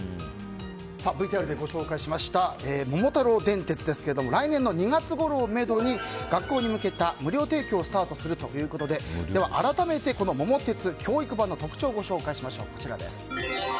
ＶＴＲでご紹介しました「桃太郎電鉄」ですけれども来年の２月ごろをめどに学校に向けた無料提供をスタートするということで改めて、この「桃鉄教育版」の特徴をご紹介しましょう。